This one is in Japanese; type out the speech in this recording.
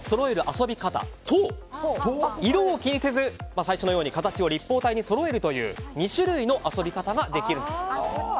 遊び方と色を気にせず、最初のように形を立方体にそろえるという２種類の遊び方ができると。